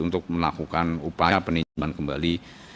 untuk melakukan upaya peninjaman kembali